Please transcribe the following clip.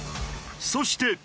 そして。